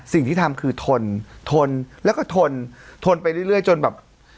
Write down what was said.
สิ่งที่ทำคือทนทนแล้วก็ทนทนไปเรื่อยจนแบบ